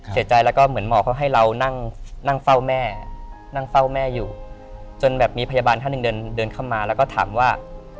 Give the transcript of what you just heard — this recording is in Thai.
เสียใจแล้วก็เหมือนหมอเขาให้เรานั่งเฝ้าแม่นั่งเฝ้าแม่อยู่จนแบบมีพยาบาลท่านหนึ่งเดินเข้ามาแล้วก็ถามว่า